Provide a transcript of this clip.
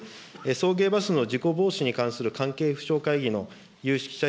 送迎バスの事故防止に関する関係府省会議の有識者